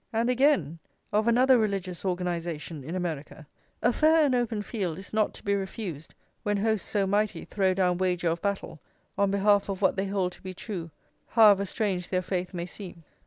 And again, of another religious organisation in America: "A fair and open field is not to be refused when hosts so mighty throw down wager of battle on behalf of what they hold to be true, however strange their faith may seem."